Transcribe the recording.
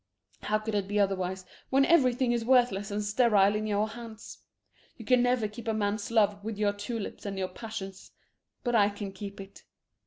How could it be otherwise when everything is worthless and sterile in your hands? You can never keep a man's love with your tulips and your passions but I can keep it.